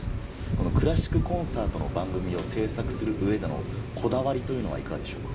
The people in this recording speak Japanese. このクラシックコンサートの番組を制作する上でのこだわりというのはいかがでしょうか？